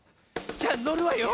じゃあのるわよ。